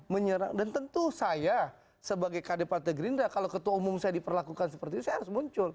menyerang dan tentu saya sebagai kd pantai gerinda kalau ketua umum saya diperlakukan seperti ini saya harus muncul